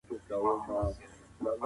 هغه به خپل مال بېوزلو ته ورسپاري.